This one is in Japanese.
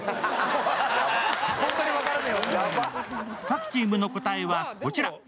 各チームの答えはこちら。